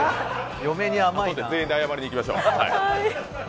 今度全員で謝りに行きましょう。